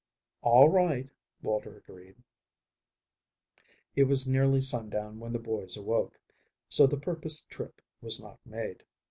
"All right," Walter agreed. It was nearly sundown when the boys awoke, so the purposed trip was not made.